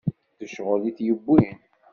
D ccɣel i t-yewwin.